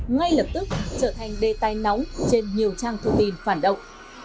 ngay lập tức trở thành đê tay nóng trên nhiều trang thông tin phản động